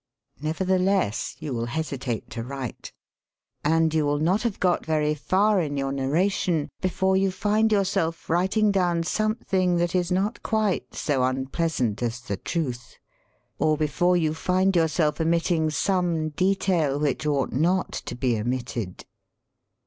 Nevertheless you will hesi tate to write. And you will not have got very far in your narration before you find yourself writing down something that is not quite so un pleasant as the truth, or before you find yourself 42 SELF AND SELF MANAGEMENT omitting some detail which ought not to be omitted.